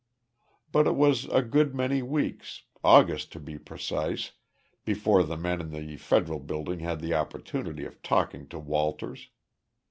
But it was a good many weeks August, to be precise before the men in the Federal Building had the opportunity of talking to Walters.